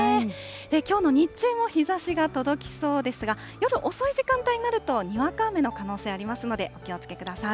きょうの日中も日ざしが届きそうですが、夜遅い時間帯になるとにわか雨の可能性ありますので、お気をつけください。